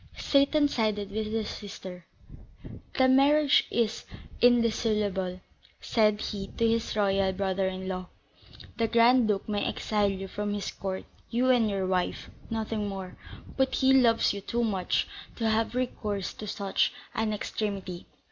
Seyton sided with his sister. "The marriage is indissoluble," said he to his royal brother in law; "the Grand Duke may exile you from his court, you and your wife, nothing more; but he loves you too much to have recourse to such an extremity.